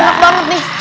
aduh enak banget nih